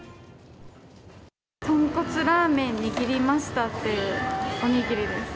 豚骨ラーメンにぎりましたっていうお握りです。